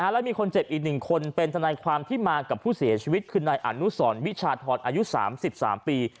และมีคนเจ็บอีก๑คนเป็นทนายความที่มากับผู้เสียชีวิตคือนายอนุสรวิชาธรอายุ๓๓ปี